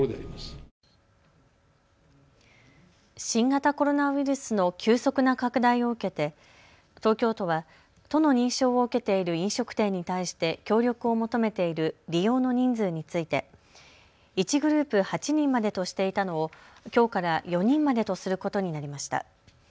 新型コロナウイルスの急速な拡大を受けて東京都は都の認証を受けている飲食店に対して協力を求めている利用の人数について１グループ８人までとしていたのをきょうから４人までとすることになりました。